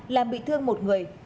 làm bị thương một người